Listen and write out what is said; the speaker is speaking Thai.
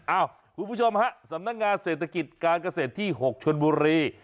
คุณผู้ชมฮะสำนักงานเศรษฐกิจการเกษตรที่๖ชนบุรี